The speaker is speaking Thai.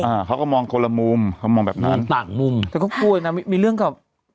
อ่าเขาก็มองคนละมุมเขามองแบบนั้นต่างมุมแต่ก็กลัวนะมีเรื่องกับ